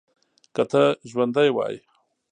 که ته ژوندی وای.